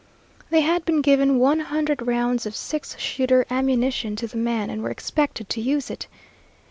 They had been given one hundred rounds of six shooter ammunition to the man and were expected to use it.